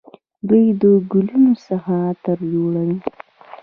دوی د ګلونو څخه عطر جوړوي.